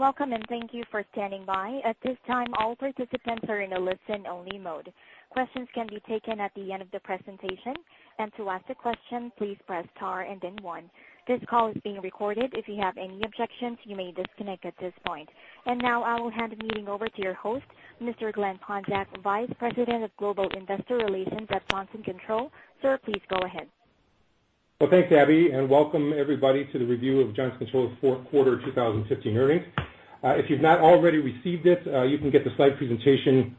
Welcome, thank you for standing by. At this time, all participants are in a listen-only mode. Questions can be taken at the end of the presentation. To ask a question, please press star and then one. This call is being recorded. If you have any objections, you may disconnect at this point. Now I will hand the meeting over to your host, Mr. Glen Pundzak, Vice President of Global Investor Relations at Johnson Controls. Sir, please go ahead. Well, thanks, Abby, welcome everybody to the review of Johnson Controls' fourth quarter 2015 earnings. If you've not already received it, you can get the slide presentation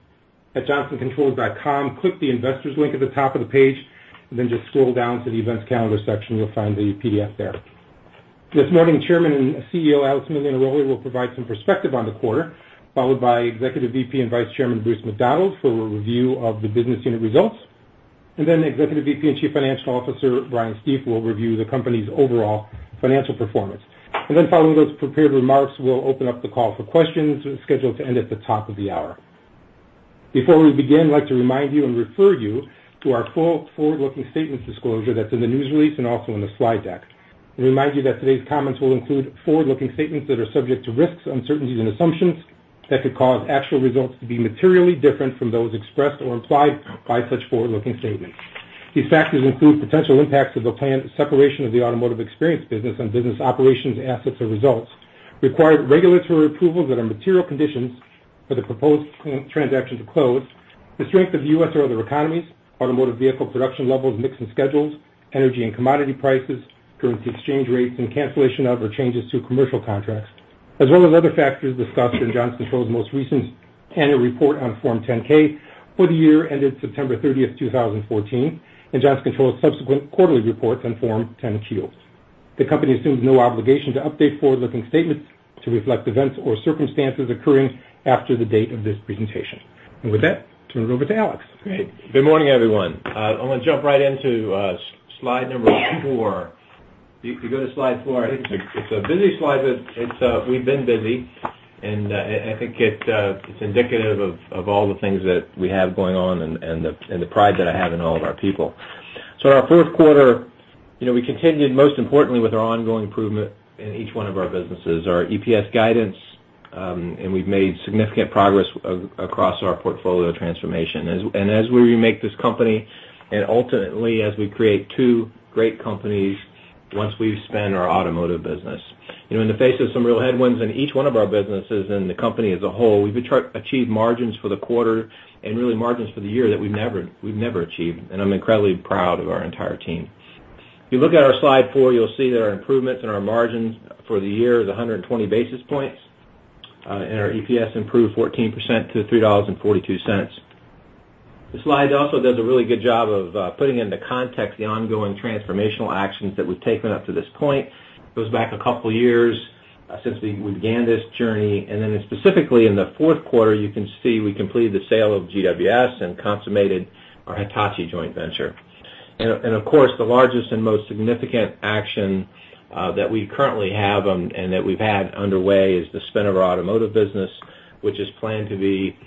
at johnsoncontrols.com. Click the investors link at the top of the page, just scroll down to the events calendar section. You'll find the PDF there. This morning, Chairman and CEO Alex Molinaroli will provide some perspective on the quarter, followed by Executive VP and Vice Chairman Bruce McDonald for a review of the business unit results, then Executive VP and Chief Financial Officer Brian Stief will review the company's overall financial performance. Following those prepared remarks, we'll open up the call for questions, scheduled to end at the top of the hour. Before we begin, I'd like to remind you, refer you to our full forward-looking statements disclosure that's in the news release, also in the slide deck, remind you that today's comments will include forward-looking statements that are subject to risks, uncertainties, and assumptions that could cause actual results to be materially different from those expressed or implied by such forward-looking statements. These factors include potential impacts of the planned separation of the Automotive Experience business operations assets or results, required regulatory approvals that are material conditions for the proposed transaction to close, the strength of the U.S. or other economies, automotive vehicle production levels, mix and schedules, energy and commodity prices, currency exchange rates, cancellation of or changes to commercial contracts, as well as other factors discussed in Johnson Controls' most recent annual report on Form 10-K for the year ended September 30th, 2014, Johnson Controls subsequent quarterly reports on Form 10-Q. The company assumes no obligation to update forward-looking statements to reflect events or circumstances occurring after the date of this presentation. With that, turn it over to Alex. Great. Good morning, everyone. I'm going to jump right into slide 4. If you go to slide 4, I think it's a busy slide. We've been busy, and I think it's indicative of all the things that we have going on and the pride that I have in all of our people. In our fourth quarter, we continued most importantly with our ongoing improvement in each one of our businesses. Our EPS guidance, we've made significant progress across our portfolio transformation. As we remake this company and ultimately as we create two great companies once we spin our automotive business. In the face of some real headwinds in each one of our businesses and the company as a whole, we've achieved margins for the quarter and really margins for the year that we've never achieved. I'm incredibly proud of our entire team. If you look at our slide 4, you'll see that our improvements in our margins for the year is 120 basis points, and our EPS improved 14% to $3.42. The slide also does a really good job of putting into context the ongoing transformational actions that we've taken up to this point. It goes back a couple of years since we began this journey. Then specifically in the fourth quarter, you can see we completed the sale of GWS and consummated our Hitachi joint venture. Of course, the largest and most significant action that we currently have and that we've had underway is the spin of our automotive business, which is planned to be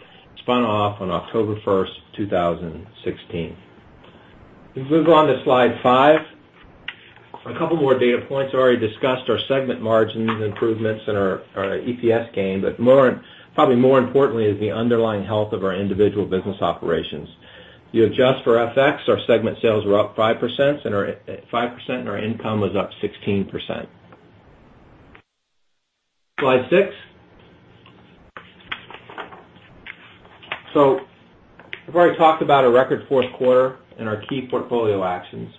spun off on October first, 2016. If we move on to slide 5. A couple more data points. I already discussed our segment margins improvements and our EPS gain. Probably more importantly is the underlying health of our individual business operations. You adjust for FX, our segment sales were up 5%, and our income was up 16%. Slide 6. I've already talked about our record fourth quarter and our key portfolio actions.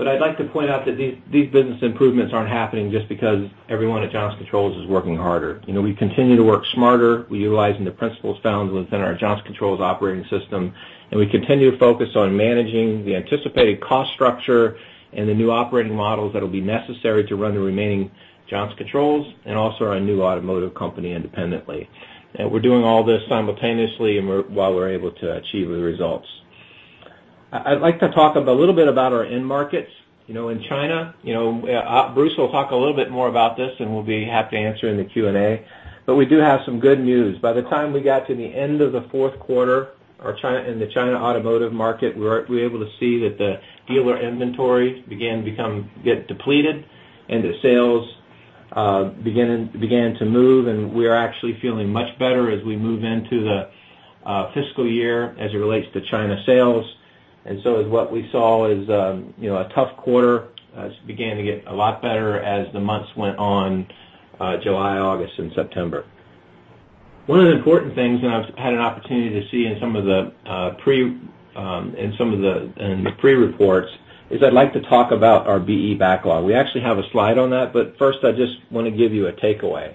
I'd like to point out that these business improvements aren't happening just because everyone at Johnson Controls is working harder. We continue to work smarter. We utilize the principles found within our Johnson Controls Operating System, and we continue to focus on managing the anticipated cost structure and the new operating models that will be necessary to run the remaining Johnson Controls and also our new automotive company independently. We're doing all this simultaneously and while we're able to achieve the results. I'd like to talk a little bit about our end markets. In China, Bruce will talk a little bit more about this, and we'll be happy to answer in the Q&A. We do have some good news. By the time we got to the end of the fourth quarter in the China automotive market, we were able to see that the dealer inventory began to get depleted and the sales began to move. We are actually feeling much better as we move into the fiscal year as it relates to China sales. What we saw is a tough quarter began to get a lot better as the months went on July, August, and September. One of the important things, and I've had an opportunity to see in some of the pre-reports, is I'd like to talk about our BE backlog. We actually have a slide on that, but first, I just want to give you a takeaway.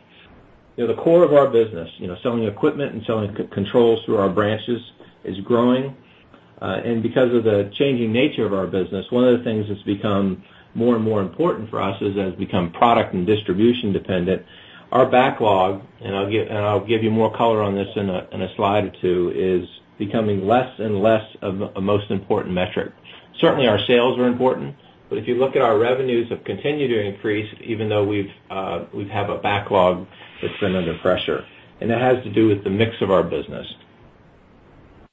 The core of our business, selling equipment and selling controls through our branches, is growing. Because of the changing nature of our business, one of the things that's become more and more important for us is as we become product and distribution dependent. Our backlog, and I'll give you more color on this in a slide or two, is becoming less and less of a most important metric. Certainly, our sales are important, but if you look at our revenues have continued to increase even though we have a backlog that's been under pressure. That has to do with the mix of our business.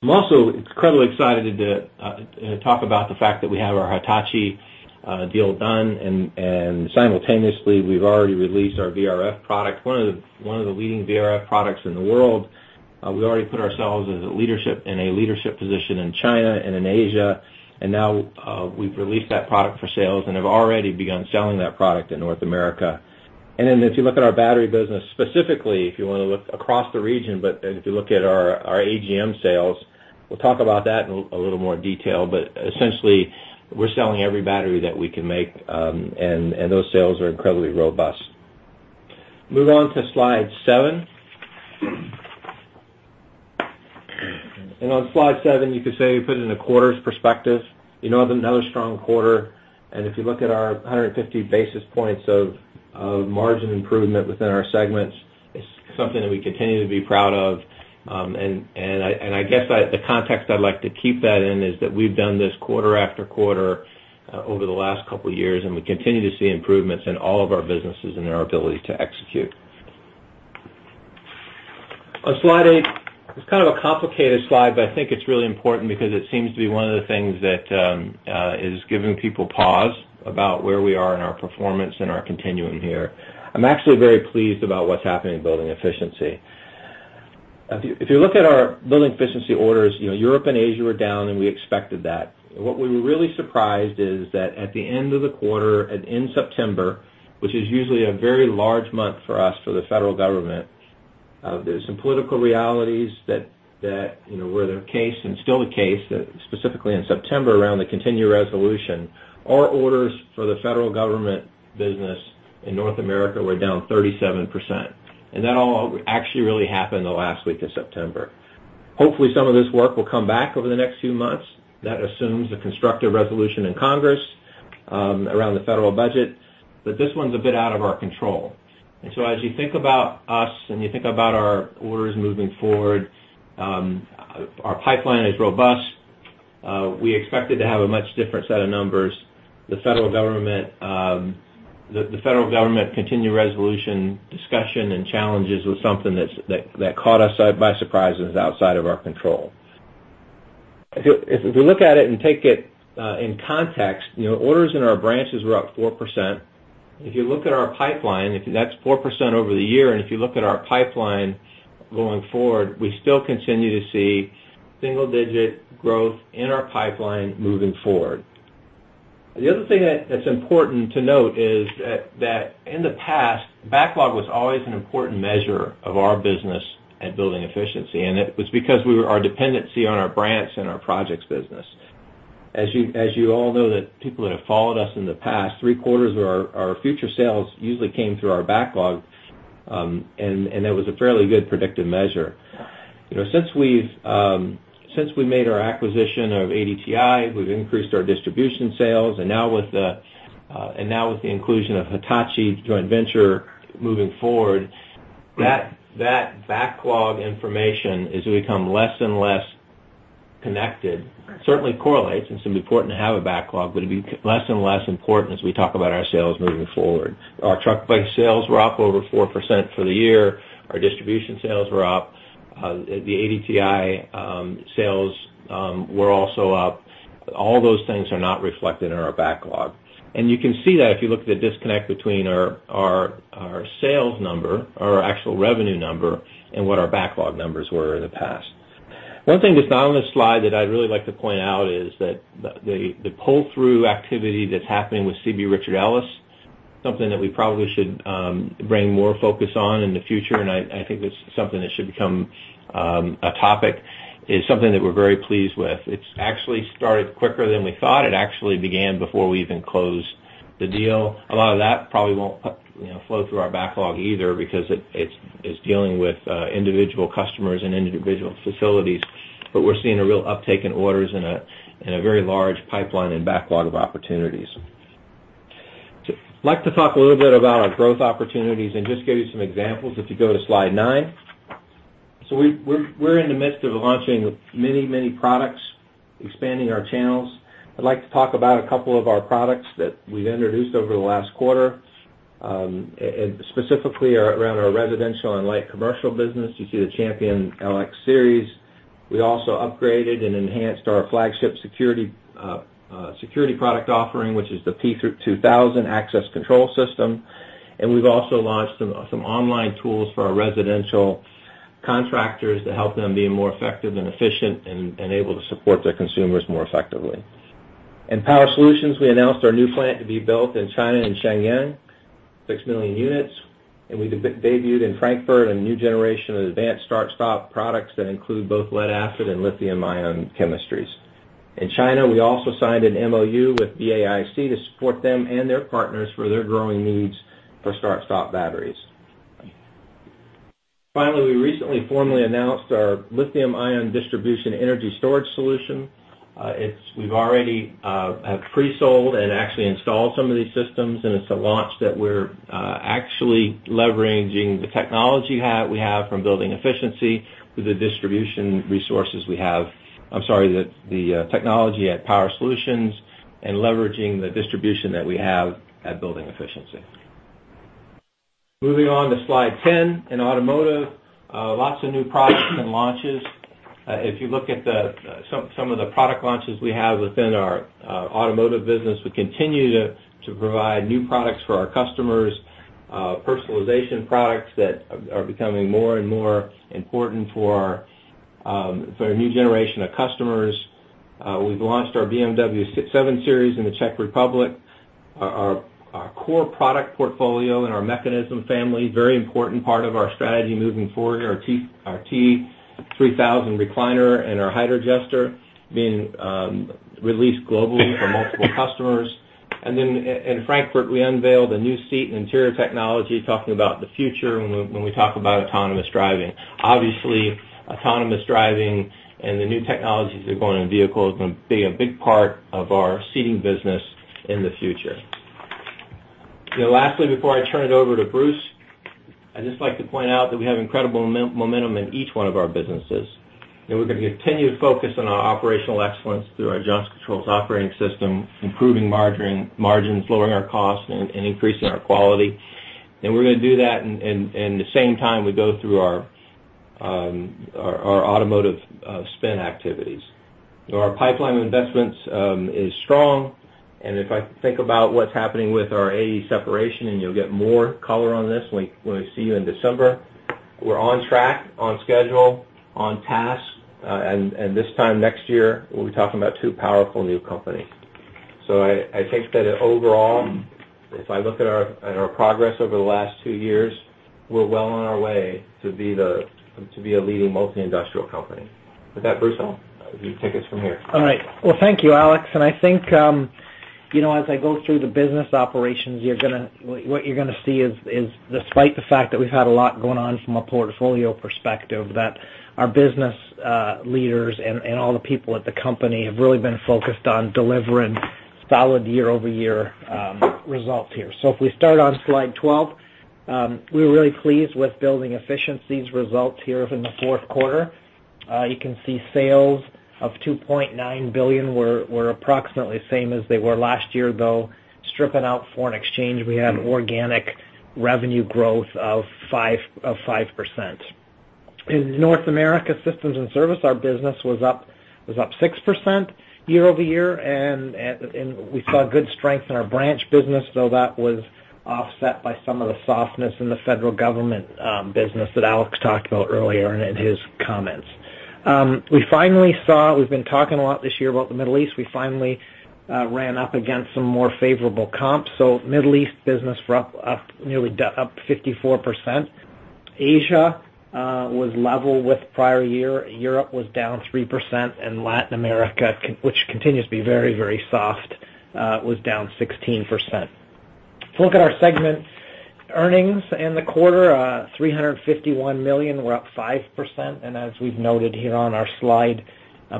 I'm also incredibly excited to talk about the fact that we have our Hitachi deal done, and simultaneously, we've already released our VRF product, one of the leading VRF products in the world. We already put ourselves in a leadership position in China and in Asia, now we've released that product for sales and have already begun selling that product in North America. Then if you look at our battery business, specifically, if you want to look across the region, but if you look at our AGM sales, we'll talk about that in a little more detail, but essentially, we're selling every battery that we can make, and those sales are incredibly robust. Move on to slide seven. On slide seven, you could say we put it in a quarters perspective. Another strong quarter, if you look at our 150 basis points of margin improvement within our segments, it's something that we continue to be proud of. I guess, the context I'd like to keep that in is that we've done this quarter after quarter over the last couple of years, we continue to see improvements in all of our businesses and in our ability to execute. On slide eight. It's kind of a complicated slide, but I think it's really important because it seems to be one of the things that is giving people pause about where we are in our performance and our continuum here. I'm actually very pleased about what's happening in Building Efficiency. If you look at our Building Efficiency orders, Europe and Asia were down and we expected that. What we were really surprised is that at the end of the quarter and in September, which is usually a very large month for us for the federal government, there's some political realities that were the case and still the case, specifically in September, around the continued resolution. Our orders for the federal government business in North America were down 37%, that all actually really happened the last week of September. Hopefully, some of this work will come back over the next few months. That assumes a constructive resolution in Congress around the federal budget. This one's a bit out of our control. As you think about us and you think about our orders moving forward, our pipeline is robust. We expected to have a much different set of numbers. The federal government continued resolution discussion and challenges was something that caught us by surprise and is outside of our control. If you look at it and take it in context, orders in our branches were up 4%. If you look at our pipeline, that's 4% over the year, and if you look at our pipeline going forward, we still continue to see single-digit growth in our pipeline moving forward. The other thing that's important to note is that in the past, backlog was always an important measure of our business at Building Efficiency, and it was because our dependency on our branch and our projects business. As you all know, that people that have followed us in the past, three-quarters of our future sales usually came through our backlog, and that was a fairly good predictive measure. Since we made our acquisition of ADTi, we've increased our distribution sales, and now with the inclusion of Hitachi joint venture moving forward, that backlog information is become less and less connected. Certainly correlates, and it's important to have a backlog, but it'd be less and less important as we talk about our sales moving forward. Our truck plate sales were up over 4% for the year. Our distribution sales were up. The ADTi sales were also up. All those things are not reflected in our backlog. And you can see that if you look at the disconnect between our sales number, our actual revenue number, and what our backlog numbers were in the past. One thing that's not on this slide that I'd really like to point out is that the pull-through activity that's happening with CB Richard Ellis, something that we probably should bring more focus on in the future, and I think that's something that should become a topic, is something that we're very pleased with. It's actually started quicker than we thought. It actually began before we even closed the deal. A lot of that probably won't flow through our backlog either because it is dealing with individual customers and individual facilities. But we're seeing a real uptick in orders and a very large pipeline and backlog of opportunities. I'd like to talk a little bit about our growth opportunities and just give you some examples. If you go to slide nine. We're in the midst of launching many products, expanding our channels. I'd like to talk about a couple of our products that we've introduced over the last quarter, and specifically around our residential and light commercial business. You see the Champion LX Series. We also upgraded and enhanced our flagship security product offering, which is the P2000 access control system. And we've also launched some online tools for our residential contractors to help them be more effective and efficient and able to support their consumers more effectively. In Power Solutions, we announced our new plant to be built in China, in Shenyang, 6 million units. And we debuted in Frankfurt a new generation of advanced start-stop products that include both lead-acid and lithium-ion chemistries. In China, we also signed an MoU with BAIC to support them and their partners for their growing needs for start-stop batteries. Finally, we recently formally announced our lithium-ion distribution energy storage solution. We already have pre-sold and actually installed some of these systems, it's a launch that we're actually leveraging the technology we have from Building Efficiency with the distribution resources we have. I'm sorry, the technology at Power Solutions and leveraging the distribution that we have at Building Efficiency. Moving on to slide 10. In automotive, lots of new products and launches. If you look at some of the product launches we have within our automotive business, we continue to provide new products for our customers, personalization products that are becoming more and more important for a new generation of customers. We've launched our BMW 7 Series in the Czech Republic. Our core product portfolio and our mechanism family, very important part of our strategy moving forward. Our T3000 recliner and our Hydrogestor being released globally for multiple customers. In Frankfurt, we unveiled a new seat and interior technology, talking about the future when we talk about autonomous driving. Obviously, autonomous driving and the new technologies that are going in the vehicle is going to be a big part of our seating business in the future. Lastly, before I turn it over to Bruce, I'd just like to point out that we have incredible momentum in each one of our businesses, and we're going to continue to focus on our operational excellence through our Johnson Controls Operating System, improving margins, lowering our costs, and increasing our quality. We're going to do that in the same time we go through our automotive spin activities. Our pipeline of investments is strong, and if I think about what's happening with our AE separation, and you'll get more color on this when we see you in December, we're on track, on schedule, on task. This time next year, we'll be talking about two powerful new companies. I take that overall, if I look at our progress over the last two years, we're well on our way to be a leading multi-industrial company. With that, Bruce McDonald, you take us from here. All right. Well, thank you, Alex. I think as I go through the business operations, what you're going to see is, despite the fact that we've had a lot going on from a portfolio perspective, that our business leaders and all the people at the company have really been focused on delivering solid year-over-year results here. If we start on slide 12, we were really pleased with Building Efficiency's results here in the fourth quarter. You can see sales of $2.9 billion were approximately the same as they were last year, though stripping out foreign exchange, we had organic revenue growth of 5%. In North America Systems and Service, our business was up 6% year-over-year, and we saw good strength in our branch business, though that was offset by some of the softness in the federal government business that Alex talked about earlier in his comments. We've been talking a lot this year about the Middle East. We finally ran up against some more favorable comps. Middle East business were up 54%. Asia was level with prior year. Europe was down 3%, and Latin America, which continues to be very soft, was down 16%. If you look at our segment earnings in the quarter, $351 million were up 5%, and as we've noted here on our slide,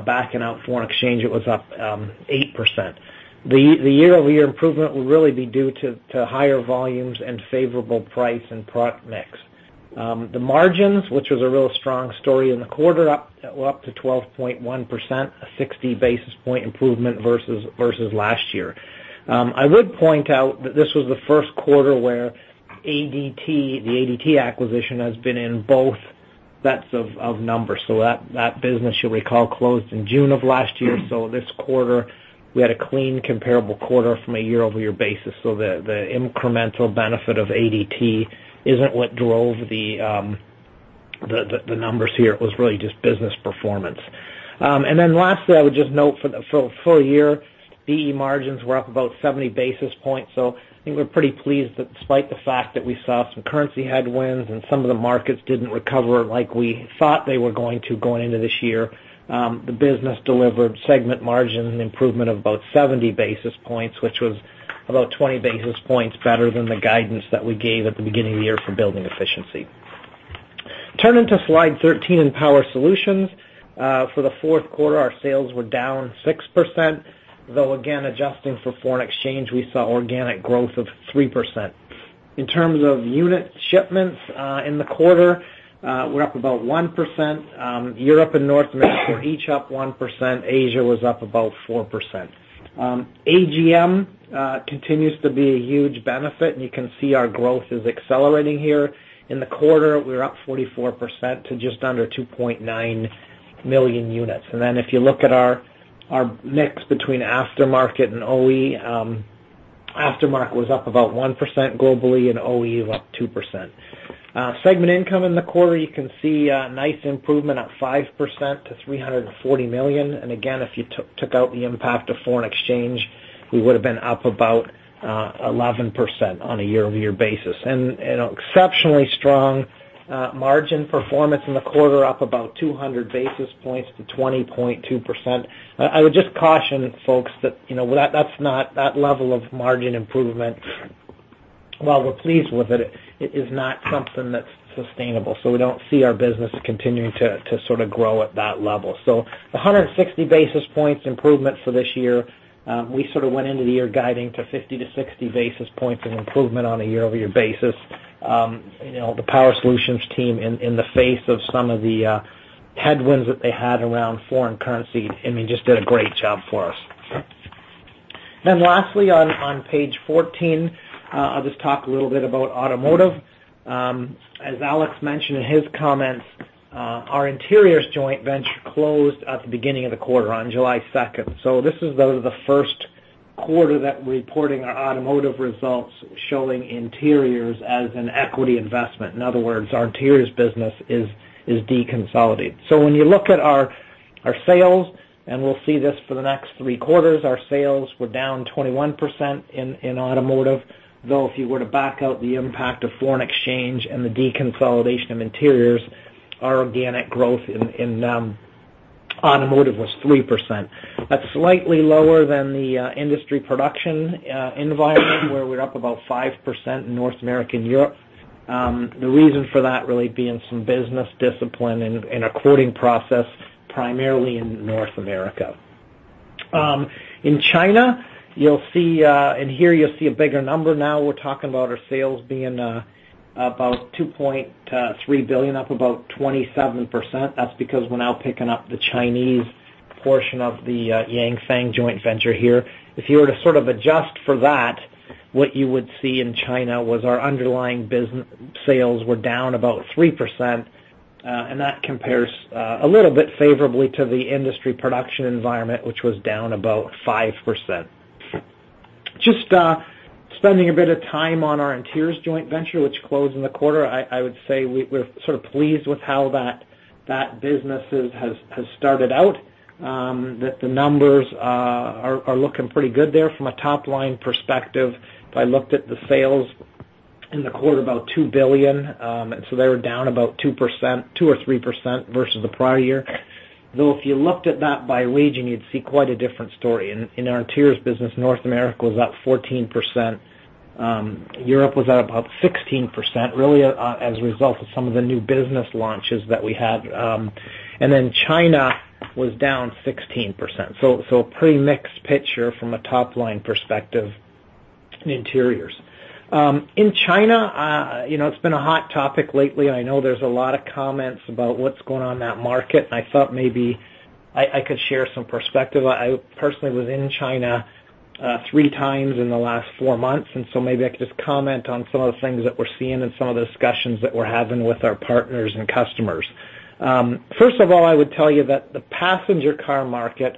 backing out foreign exchange, it was up 8%. The year-over-year improvement will really be due to higher volumes and favorable price and product mix. The margins, which was a really strong story in the quarter, were up to 12.1%, a 60 basis point improvement versus last year. I would point out that this was the first quarter where the ADT acquisition has been in both sets of numbers. That business, you'll recall, closed in June of last year. This quarter, we had a clean comparable quarter from a year-over-year basis. The incremental benefit of ADT isn't what drove the numbers here. It was really just business performance. Lastly, I would just note for the full year, BE margins were up about 70 basis points. I think we're pretty pleased that despite the fact that we saw some currency headwinds and some of the markets didn't recover like we thought they were going to going into this year, the business delivered segment margin improvement of about 70 basis points, which was about 20 basis points better than the guidance that we gave at the beginning of the year for Building Efficiency. Turning to slide 13 in Power Solutions. For the fourth quarter, our sales were down 6%, though again, adjusting for foreign exchange, we saw organic growth of 3%. In terms of unit shipments in the quarter, we're up about 1%. Europe and North America were each up 1%. Asia was up about 4%. AGM continues to be a huge benefit, and you can see our growth is accelerating here. In the quarter, we were up 44% to just under 2.9 million units. If you look at our mix between aftermarket and OE, aftermarket was up about 1% globally, and OE was up 2%. Segment income in the quarter, you can see a nice improvement, up 5% to $340 million. Again, if you took out the impact of foreign exchange, we would've been up about 11% on a year-over-year basis. Exceptionally strong margin performance in the quarter, up about 200 basis points to 20.2%. I would just caution folks that that level of margin improvement, while we're pleased with it is not something that's sustainable. We don't see our business continuing to sort of grow at that level. The 160 basis points improvement for this year, we sort of went into the year guiding to 50-60 basis points of improvement on a year-over-year basis. The Power Solutions team, in the face of some of the headwinds that they had around foreign currency, I mean, just did a great job for us. Lastly, on page 14, I'll just talk a little bit about automotive. As Alex mentioned in his comments, our interiors joint venture closed at the beginning of the quarter on July 2nd. This is the first quarter that we're reporting our automotive results showing interiors as an equity investment. In other words, our interiors business is deconsolidated. When you look at our sales, and we'll see this for the next three quarters, our sales were down 21% in automotive, though if you were to back out the impact of foreign exchange and the deconsolidation of interiors, our organic growth in automotive was 3%. That's slightly lower than the industry production environment, where we're up about 5% in North America and Europe. The reason for that really being some business discipline and a courting process, primarily in North America. In China, in here you'll see a bigger number now. We're talking about our sales being about $2.3 billion, up about 27%. That's because we're now picking up the Chinese portion of the Yanfeng joint venture here. If you were to sort of adjust for that, what you would see in China was our underlying sales were down about 3%, and that compares a little bit favorably to the industry production environment, which was down about 5%. Just spending a bit of time on our interiors joint venture, which closed in the quarter. I would say we're sort of pleased with how that business has started out, that the numbers are looking pretty good there from a top-line perspective. If I looked at the sales in the quarter, about $2 billion, they were down about 2% or 3% versus the prior year. Though, if you looked at that by region, you'd see quite a different story. In our interiors business, North America was up 14%. Europe was up about 16%, really as a result of some of the new business launches that we had. China was down 16%. A pretty mixed picture from a top-line perspective in interiors. In China, it's been a hot topic lately, and I know there's a lot of comments about what's going on in that market, and I thought maybe I could share some perspective. I personally was in China three times in the last four months, maybe I could just comment on some of the things that we're seeing and some of the discussions that we're having with our partners and customers. First of all, I would tell you that the passenger car market,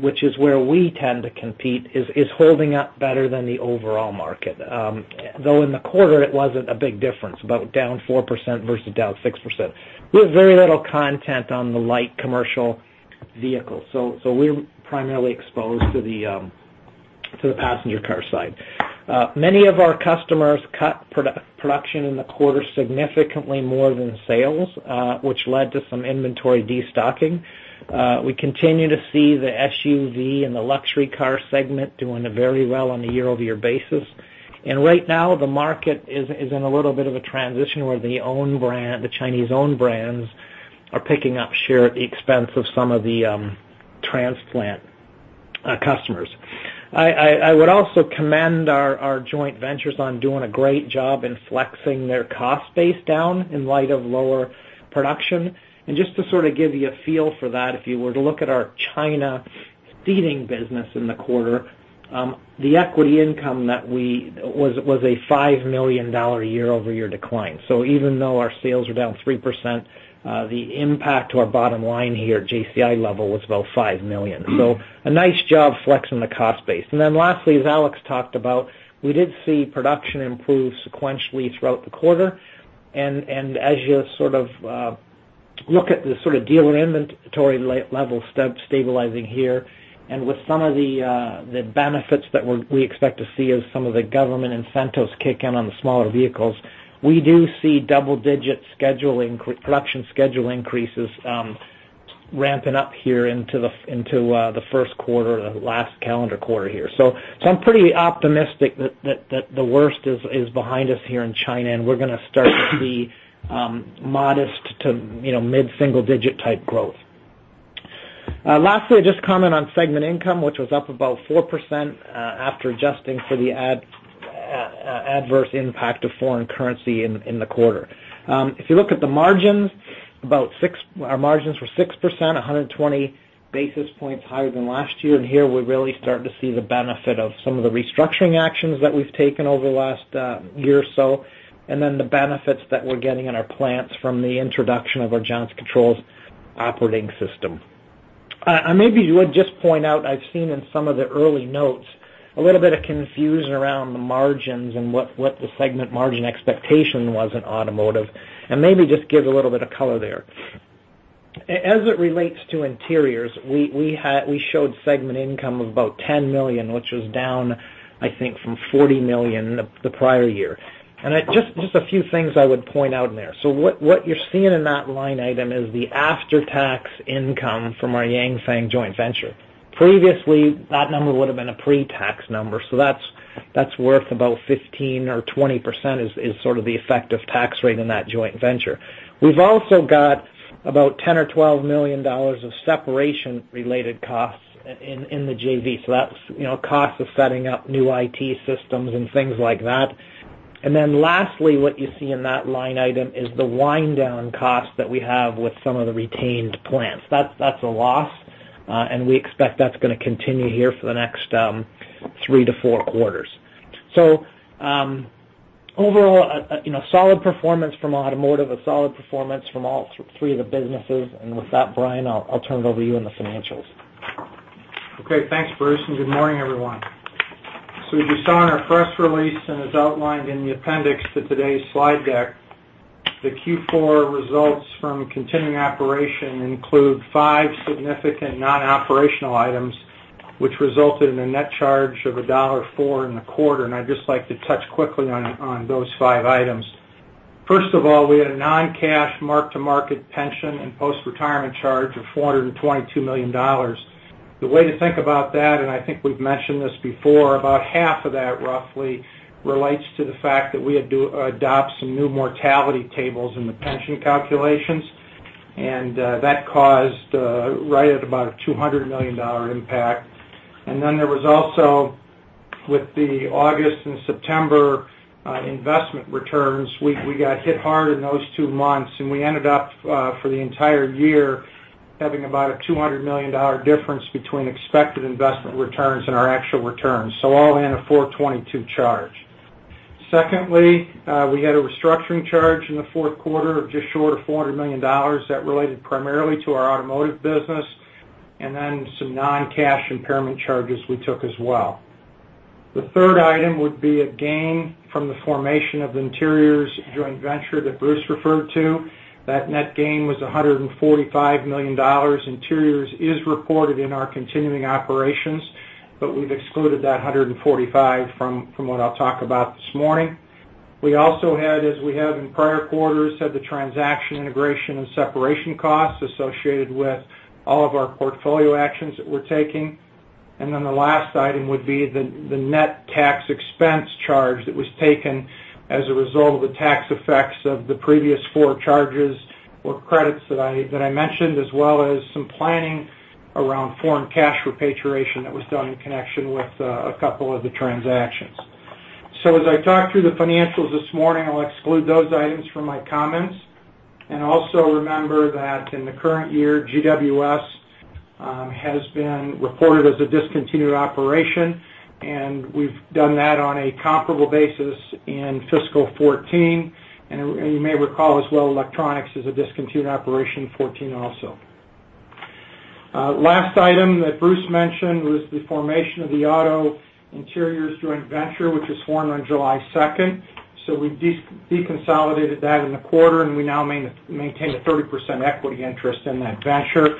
which is where we tend to compete, is holding up better than the overall market. Though, in the quarter, it wasn't a big difference, about down 4% versus down 6%. We have very little content on the light commercial vehicles. We're primarily exposed to the passenger car side. Many of our customers cut production in the quarter significantly more than sales, which led to some inventory destocking. We continue to see the SUV and the luxury car segment doing very well on a year-over-year basis. Right now, the market is in a little bit of a transition where the Chinese-owned brands are picking up share at the expense of some of the transplant customers. I would also commend our joint ventures on doing a great job in flexing their cost base down in light of lower production. Just to sort of give you a feel for that, if you were to look at our China seating business in the quarter, the equity income was a $5 million year-over-year decline. Even though our sales are down 3%, the impact to our bottom line here at JCI level was about $5 million. A nice job flexing the cost base. Lastly, as Alex talked about, we did see production improve sequentially throughout the quarter. As you look at the dealer inventory level stabilizing here, and with some of the benefits that we expect to see as some of the government incentives kick in on the smaller vehicles, we do see double-digit production schedule increases ramping up here into the first quarter or the last calendar quarter here. I'm pretty optimistic that the worst is behind us here in China, and we're going to start to see modest to mid-single digit type growth. Lastly, just comment on segment income, which was up about 4% after adjusting for the adverse impact of foreign currency in the quarter. If you look at the margins, our margins were 6%, 120 basis points higher than last year. Here we're really starting to see the benefit of some of the restructuring actions that we've taken over the last year or so, and then the benefits that we're getting in our plants from the introduction of our Johnson Controls Operating System. Maybe I would just point out, I've seen in some of the early notes a little bit of confusion around the margins and what the segment margin expectation was in automotive, and maybe just give a little bit of color there. As it relates to interiors, we showed segment income of about $10 million, which was down, I think, from $40 million the prior year. Just a few things I would point out in there. What you're seeing in that line item is the after-tax income from our Yanfeng joint venture. Previously, that number would have been a pre-tax number, that's worth about 15% or 20% is sort of the effective tax rate in that joint venture. We've also got about $10 million or $12 million of separation-related costs in the JV. That's cost of setting up new IT systems and things like that. Lastly, what you see in that line item is the wind down cost that we have with some of the retained plans. That's a loss, we expect that's going to continue here for the next 3-4 quarters. Overall, a solid performance from automotive, a solid performance from all three of the businesses. With that, Brian, I'll turn it over to you and the financials. Thanks, Bruce, and good morning, everyone. As you saw in our press release and as outlined in the appendix to today's slide deck, the Q4 results from continuing operation include five significant non-operational items, which resulted in a net charge of a $1.04 in the quarter. I'd just like to touch quickly on those five items. First of all, we had a non-cash mark-to-market pension and post-retirement charge of $422 million. The way to think about that, I think we've mentioned this before, about half of that roughly relates to the fact that we had to adopt some new mortality tables in the pension calculations. That caused right at about a $200 million impact. There was also with the August and September investment returns, we got hit hard in those two months, and we ended up, for the entire year, having about a $200 million difference between expected investment returns and our actual returns. All in a 422 charge. Secondly, we had a restructuring charge in the fourth quarter of just short of $400 million that related primarily to our automotive business, and then some non-cash impairment charges we took as well. The third item would be a gain from the formation of the interiors joint venture that Bruce referred to. That net gain was $145 million. Interiors is reported in our continuing operations, but we've excluded that $145 million from what I'll talk about this morning. We also had, as we have in prior quarters, had the transaction integration and separation costs associated with all of our portfolio actions that we're taking. The last item would be the net tax expense charge that was taken as a result of the tax effects of the previous four charges or credits that I mentioned, as well as some planning around foreign cash repatriation that was done in connection with a couple of the transactions. As I talk through the financials this morning, I'll exclude those items from my comments. Also remember that in the current year, GWS has been reported as a discontinued operation, and we've done that on a comparable basis in fiscal 2014. You may recall as well, electronics is a discontinued operation in 2014 also. Last item that Bruce mentioned was the formation of the auto interiors joint venture, which was formed on July 2nd. We deconsolidated that in the quarter, and we now maintain a 30% equity interest in that venture.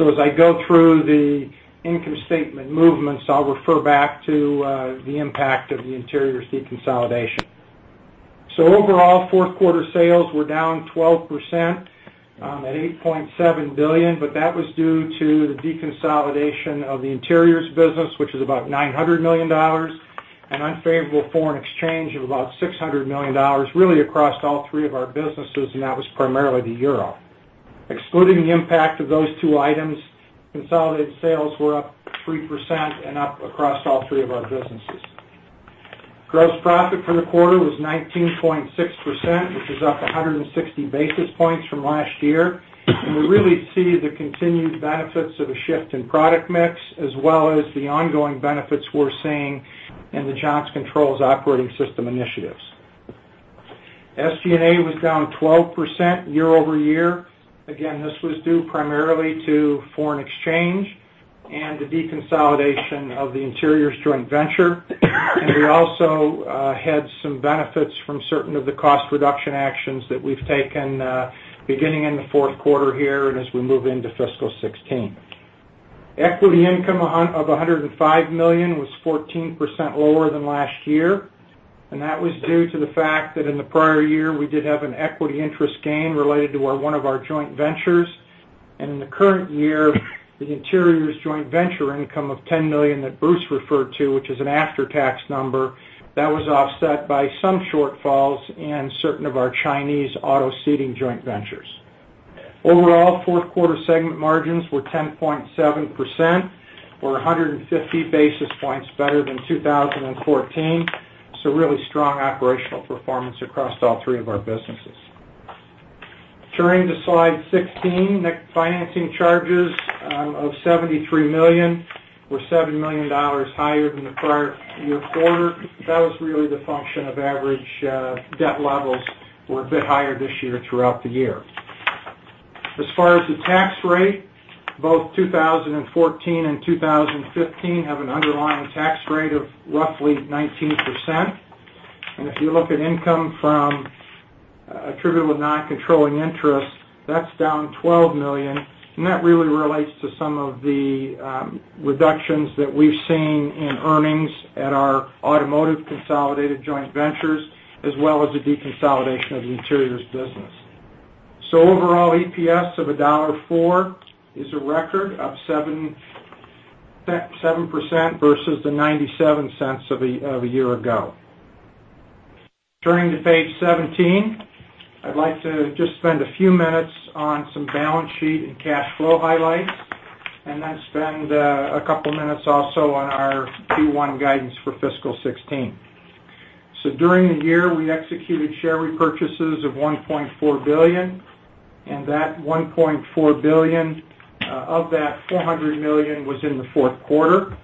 As I go through the income statement movements, I'll refer back to the impact of the interiors deconsolidation. Overall, fourth quarter sales were down 12% at $8.7 billion, but that was due to the deconsolidation of the interiors business, which is about $900 million, an unfavorable foreign exchange of about $600 million, really across all three of our businesses, and that was primarily the euro. Excluding the impact of those two items, consolidated sales were up 3% and up across all three of our businesses. Gross profit for the quarter was 19.6%, which is up 160 basis points from last year. We really see the continued benefits of a shift in product mix, as well as the ongoing benefits we're seeing in the Johnson Controls Operating System initiatives. SG&A was down 12% year-over-year. Again, this was due primarily to foreign exchange and the deconsolidation of the interiors joint venture. We also had some benefits from certain of the cost reduction actions that we've taken, beginning in the fourth quarter here and as we move into fiscal 2016. Equity income of $105 million was 14% lower than last year, and that was due to the fact that in the prior year, we did have an equity interest gain related to one of our joint ventures. In the current year, the interiors joint venture income of $10 million that Bruce referred to, which is an after-tax number, that was offset by some shortfalls in certain of our Chinese auto seating joint ventures. Overall, fourth quarter segment margins were 10.7%, or 150 basis points better than 2014. Really strong operational performance across all three of our businesses. Turning to slide 16, net financing charges of $73 million were $7 million higher than the prior year quarter. That was really the function of average debt levels were a bit higher this year throughout the year. As far as the tax rate, both 2014 and 2015 have an underlying tax rate of roughly 19%. If you look at income from attributable non-controlling interest, that's down $12 million, and that really relates to some of the reductions that we've seen in earnings at our automotive consolidated joint ventures, as well as the deconsolidation of the interiors business. Overall, EPS of $1.04 is a record, up 7% versus the $0.97 of a year ago. Turning to page 17, I'd like to just spend a few minutes on some balance sheet and cash flow highlights. Then spend a couple minutes also on our Q1 guidance for fiscal 2016. During the year, we executed share repurchases of $1.4 billion. That $1.4 billion, of that, $400 million was in the fourth quarter.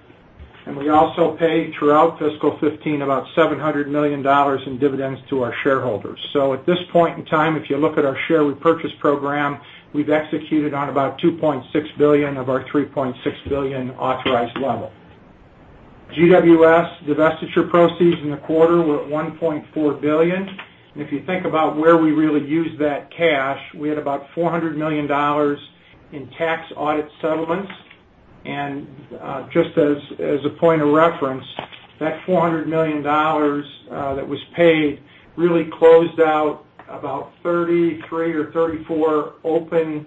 We also paid throughout fiscal 2015, about $700 million in dividends to our shareholders. At this point in time, if you look at our share repurchase program, we've executed on about $2.6 billion of our $3.6 billion authorized level. GWS divestiture proceeds in the quarter were at $1.4 billion. If you think about where we really used that cash, we had about $400 million in tax audit settlements. Just as a point of reference, that $400 million that was paid really closed out about 33 or 34 open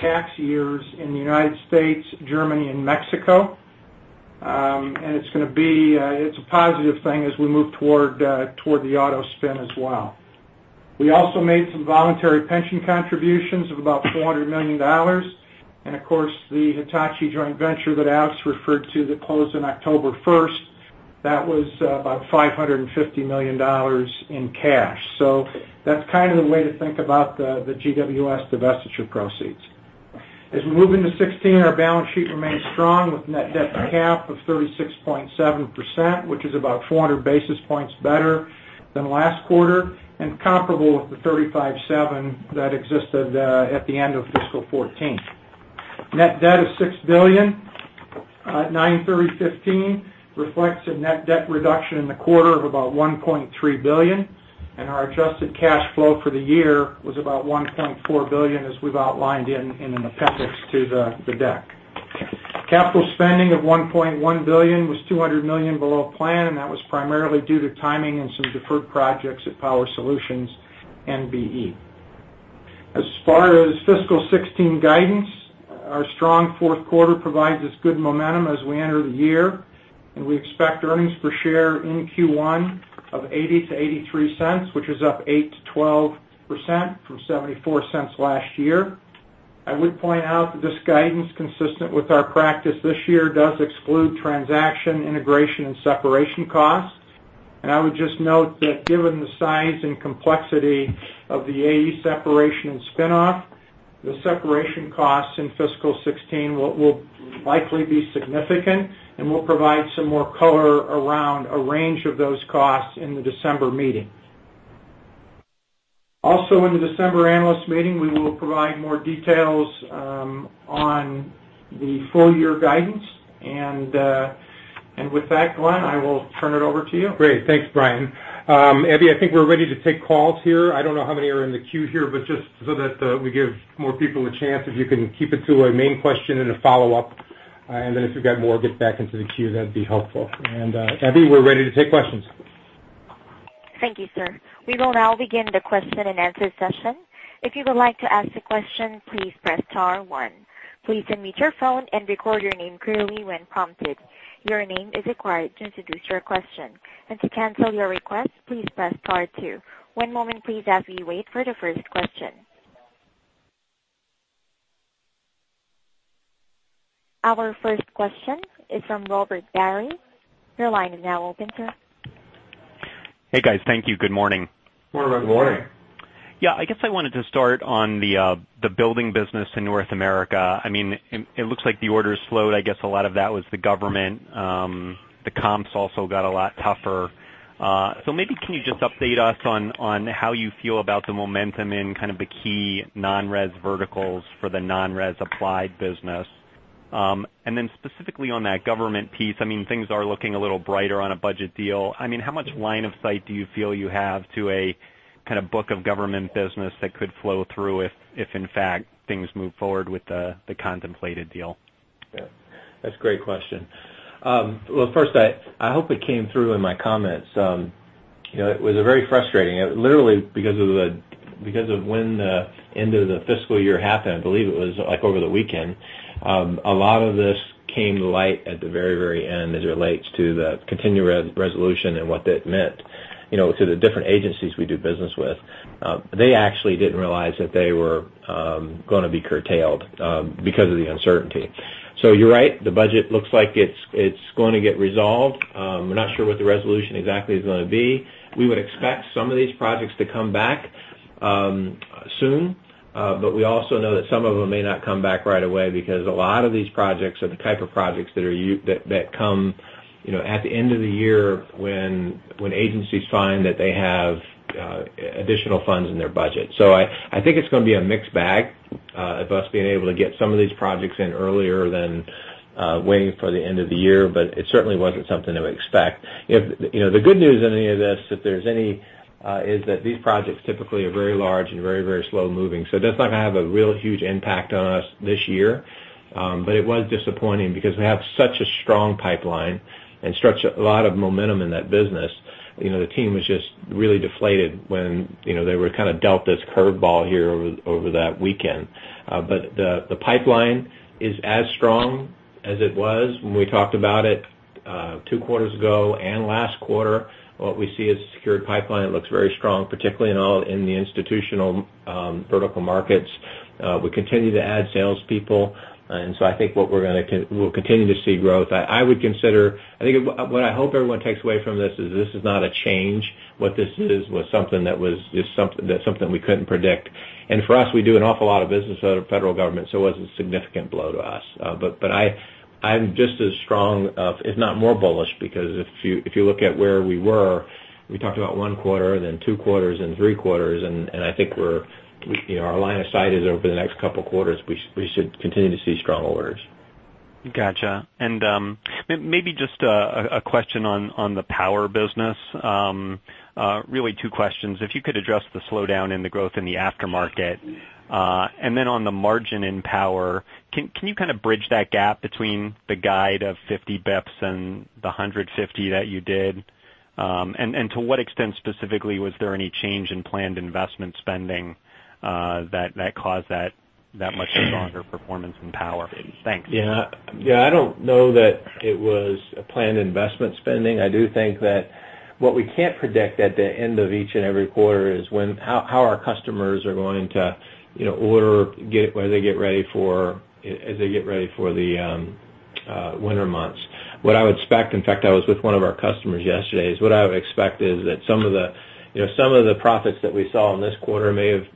tax years in the United States, Germany, and Mexico. It's a positive thing as we move toward the auto spin as well. We also made some voluntary pension contributions of about $400 million. Of course, the Hitachi joint venture that Ash referred to that closed on October 1st, that was about $550 million in cash. That's kind of the way to think about the GWS divestiture proceeds. As we move into 2016, our balance sheet remains strong with net debt to cap of 36.7%, which is about 400 basis points better than last quarter, and comparable with the 35.7% that existed at the end of fiscal 2014. Net debt is $6 billion. At 9/30/2015, reflects a net debt reduction in the quarter of about $1.3 billion, and our adjusted cash flow for the year was about $1.4 billion, as we've outlined in an appendix to the deck. Capital spending of $1.1 billion was $200 million below plan, and that was primarily due to timing and some deferred projects at Power Solutions and BE. As far as fiscal 2016 guidance, our strong fourth quarter provides us good momentum as we enter the year, and we expect earnings per share in Q1 of $0.80-$0.83, which is up 8%-12% from $0.74 last year. I would point out that this guidance, consistent with our practice this year, does exclude transaction, integration, and separation costs. I would just note that given the size and complexity of the AE separation and spin-off, the separation costs in fiscal 2016 will likely be significant, and we will provide some more color around a range of those costs in the December meeting. In the December analyst meeting, we will provide more details on the full-year guidance. With that, Glen, I will turn it over to you. Great. Thanks, Brian. Abby, I think we are ready to take calls here. I don't know how many are in the queue here, but just so that we give more people a chance, if you can keep it to a main question and a follow-up, and then if we have got more, get back into the queue, that would be helpful. Abby, we are ready to take questions. Thank you, sir. We will now begin the question-and-answer session. If you would like to ask a question, please press star one. Please unmute your phone and record your name clearly when prompted. Your name is required to introduce your question. To cancel your request, please press star two. One moment, please, as we wait for the first question. Our first question is from Robert Barry. Your line is now open, sir. Hey, guys. Thank you. Good morning. Good morning. Good morning. I guess I wanted to start on the building business in North America. It looks like the orders slowed. I guess a lot of that was the government. The comps also got a lot tougher. Maybe can you just update us on how you feel about the momentum in kind of the key non-res verticals for the non-res applied business. Specifically on that government piece, things are looking a little brighter on a budget deal. How much line of sight do you feel you have to a kind of book of government business that could flow through if, in fact, things move forward with the contemplated deal? That's a great question. Well, first, I hope it came through in my comments. It was very frustrating. Literally because of when the end of the fiscal year happened, I believe it was over the weekend. A lot of this came to light at the very end as it relates to the continuing resolution and what that meant to the different agencies we do business with. They actually didn't realize that they were going to be curtailed because of the uncertainty. You're right, the budget looks like it's going to get resolved. We're not sure what the resolution exactly is going to be. We would expect some of these projects to come back soon. We also know that some of them may not come back right away because a lot of these projects are the type of projects that come at the end of the year when agencies find that they have additional funds in their budget. I think it's going to be a mixed bag of us being able to get some of these projects in earlier than waiting for the end of the year. It certainly wasn't something to expect. The good news in any of this, if there's any, is that these projects typically are very large and very slow moving. It does not have a real huge impact on us this year. It was disappointing because we have such a strong pipeline and such a lot of momentum in that business. The team was just really deflated when they were kind of dealt this curve ball here over that weekend. The pipeline is as strong as it was when we talked about it Two quarters ago and last quarter, what we see is the secured pipeline looks very strong, particularly in the institutional vertical markets. We continue to add salespeople. I think we'll continue to see growth. What I hope everyone takes away from this is, this is not a change. What this is, was something that we couldn't predict. For us, we do an awful lot of business out of federal government, it was a significant blow to us. I'm just as strong, if not more bullish, because if you look at where we were, we talked about one quarter, then two quarters, then three quarters, I think our line of sight is over the next couple of quarters, we should continue to see strong orders. Got you. Maybe just a question on the Power business. Really two questions. If you could address the slowdown in the growth in the aftermarket, on the margin in Power, can you kind of bridge that gap between the guide of 50 basis points and the 150 that you did? To what extent specifically was there any change in planned investment spending that caused that much stronger performance in Power? Thanks. Yeah. I don't know that it was a planned investment spending. I do think that what we can't predict at the end of each and every quarter is how our customers are going to order as they get ready for the winter months. What I would expect, in fact, I was with one of our customers yesterday, is what I would expect is that some of the profits that we saw in this quarter may have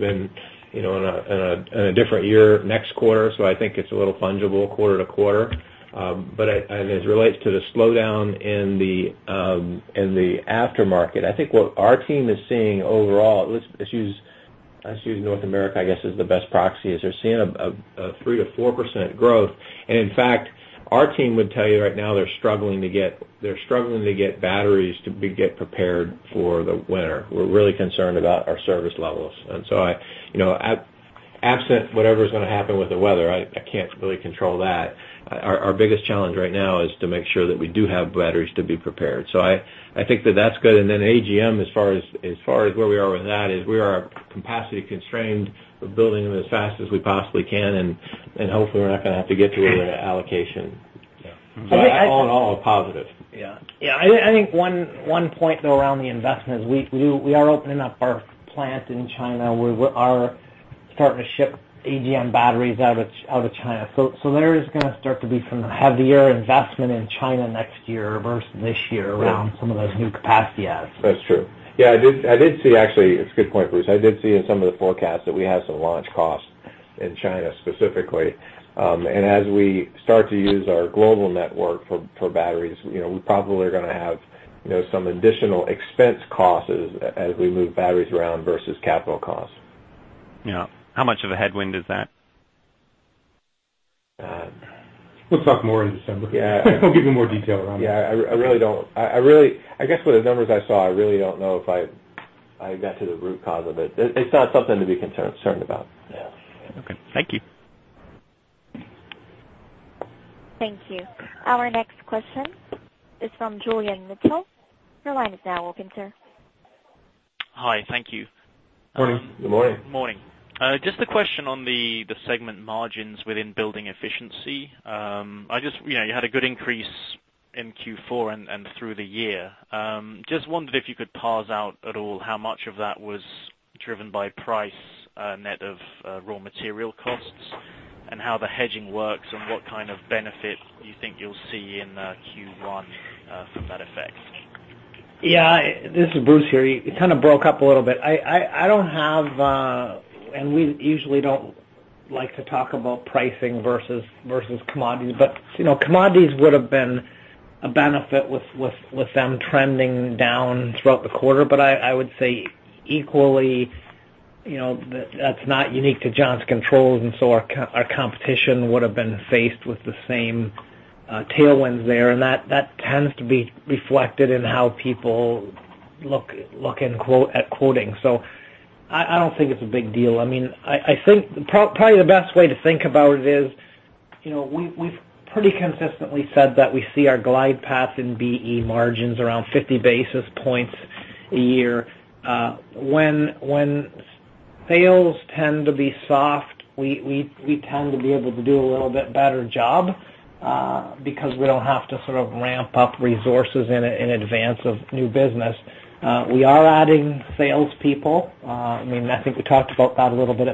been in a different year next quarter. I think it's a little fungible quarter to quarter. As it relates to the slowdown in the aftermarket, I think what our team is seeing overall, let's use North America, I guess, as the best proxy, is they're seeing a 3%-4% growth. In fact, our team would tell you right now they're struggling to get batteries to get prepared for the winter. We're really concerned about our service levels. Absent whatever's going to happen with the weather, I can't really control that. Our biggest challenge right now is to make sure that we do have batteries to be prepared. I think that that's good. AGM, as far as where we are with that is we are capacity constrained. We're building them as fast as we possibly can, and hopefully we're not going to have to get to an allocation. All a positive. Yeah. I think one point, though, around the investment is we are opening up our plant in China. We are starting to ship AGM batteries out of China. There is going to start to be some heavier investment in China next year versus this year around some of those new capacity adds. That's true. Yeah, it's a good point, Bruce. I did see in some of the forecasts that we have some launch costs in China specifically. As we start to use our global network for batteries, we probably are going to have some additional expense costs as we move batteries around versus capital costs. Yeah. How much of a headwind is that? We'll talk more in December. Yeah. I'll give you more detail around that. Yeah. I guess with the numbers I saw, I really don't know if I got to the root cause of it. It's not something to be concerned about. Yeah. Okay. Thank you. Thank you. Our next question is from Julian Mitchell. Your line is now open, sir. Hi. Thank you. Morning. Good morning. Morning. Just a question on the segment margins within Building Efficiency. You had a good increase in Q4 and through the year. Just wondered if you could parse out at all how much of that was driven by price net of raw material costs, and how the hedging works and what kind of benefit you think you will see in Q1 from that effect. Yeah. This is Bruce here. You kind of broke up a little bit. We usually do not like to talk about pricing versus commodities. Commodities would have been a benefit with them trending down throughout the quarter. I would say equally, that is not unique to Johnson Controls, our competition would have been faced with the same tailwinds there. That tends to be reflected in how people look at quoting. I do not think it is a big deal. Probably the best way to think about it is, we have pretty consistently said that we see our glide path in BE margins around 50 basis points a year. When sales tend to be soft, we tend to be able to do a little bit better job, because we do not have to sort of ramp up resources in advance of new business. We are adding salespeople. I think we talked about that a little bit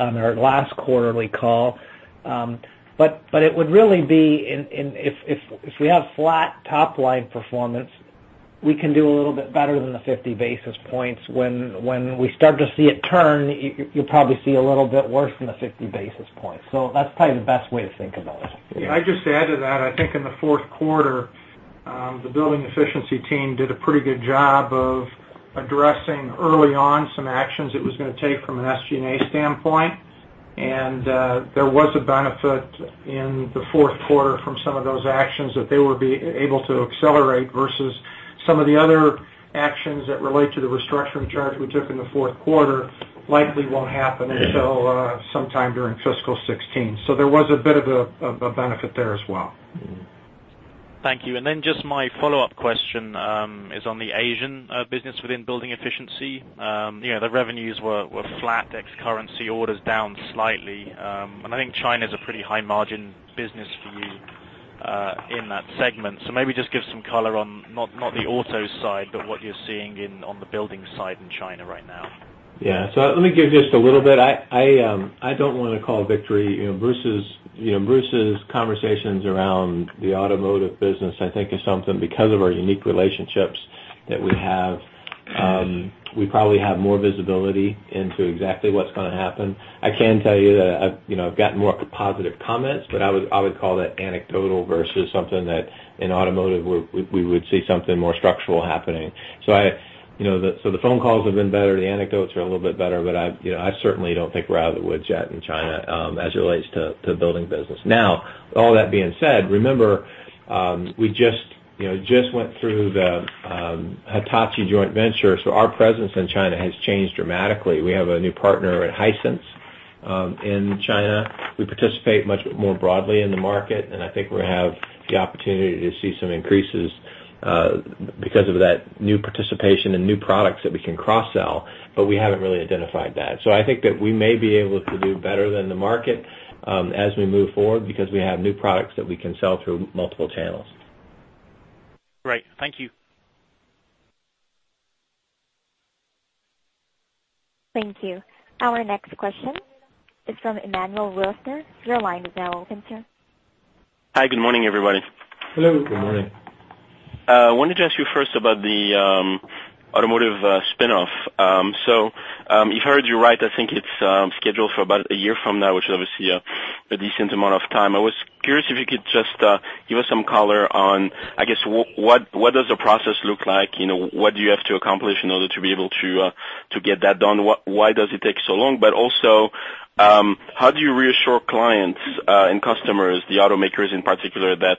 on our last quarterly call. It would really be if we have flat top-line performance, we can do a little bit better than the 50 basis points. When we start to see it turn, you will probably see a little bit worse than the 50 basis points. That is probably the best way to think about it. Yeah. I would just add to that, I think in the fourth quarter, the Building Efficiency team did a pretty good job of addressing early on some actions it was going to take from an SG&A standpoint. There was a benefit in the fourth quarter from some of those actions that they would be able to accelerate versus some of the other actions that relate to the restructuring charge we took in the fourth quarter likely will not happen until sometime during fiscal 2016. There was a bit of a benefit there as well. Thank you. Just my follow-up question is on the Asian business within Building Efficiency. The revenues were flat, ex currency orders down slightly. I think China's a pretty high margin business for you in that segment. Maybe just give some color on not the auto side, but what you're seeing on the buildings side in China right now. Let me give just a little bit. I don't want to call victory. Bruce's conversations around the automotive business, I think is something because of our unique relationships that we have, we probably have more visibility into exactly what's going to happen. I can tell you that I've got more positive comments, but I would call that anecdotal versus something that in automotive, we would see something more structural happening. The phone calls have been better, the anecdotes are a little bit better, but I certainly don't think we're out of the woods yet in China, as it relates to building business. With all that being said, remember, we just went through the Hitachi joint venture. Our presence in China has changed dramatically. We have a new partner in Hisense in China. We participate much more broadly in the market, I think we have the opportunity to see some increases, because of that new participation and new products that we can cross-sell, but we haven't really identified that. I think that we may be able to do better than the market as we move forward because we have new products that we can sell through multiple channels. Great. Thank you. Thank you. Our next question is from Emmanuel Roelofsen. Your line is now open, sir. Hi, good morning, everybody. Hello. Good morning. I wanted to ask you first about the automotive spinoff. If I heard you right, I think it's scheduled for about a year from now, which is obviously a decent amount of time. I was curious if you could just give us some color on, I guess, what does the process look like? What do you have to accomplish in order to be able to get that done? Why does it take so long? Also, how do you reassure clients and customers, the automakers in particular, about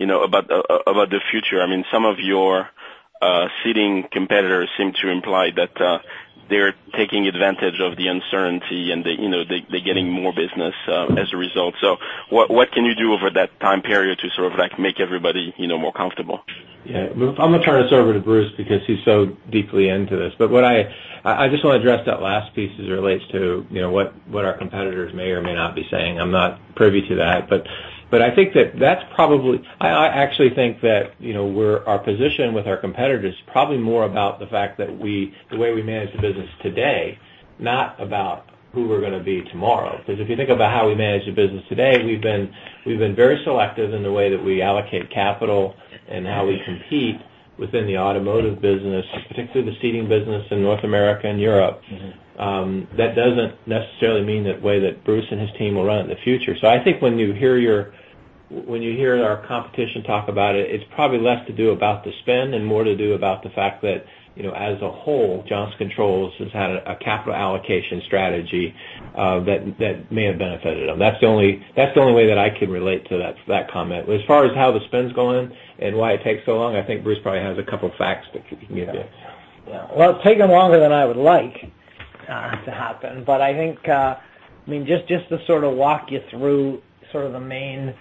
the future? Some of your seating competitors seem to imply that they're taking advantage of the uncertainty and they're getting more business as a result. What can you do over that time period to sort of make everybody more comfortable? I'm going to turn this over to Bruce because he's so deeply into this. I just want to address that last piece as it relates to what our competitors may or may not be saying. I'm not privy to that. I actually think that our position with our competitors is probably more about the fact that the way we manage the business today, not about who we're going to be tomorrow. Because if you think about how we manage the business today, we've been very selective in the way that we allocate capital and how we compete within the automotive business, particularly the seating business in North America and Europe. That doesn't necessarily mean the way that Bruce and his team will run it in the future. I think when you hear our competition talk about it's probably less to do about the spend and more to do about the fact that, as a whole, Johnson Controls has had a capital allocation strategy, that may have benefited them. That's the only way that I can relate to that comment. As far as how the spend's going and why it takes so long, I think Bruce probably has a couple of facts that he can give you. Yeah. Well, it's taking longer than I would like to happen. I think, just to sort of walk you through the